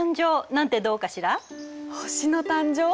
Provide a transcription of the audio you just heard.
星の誕生？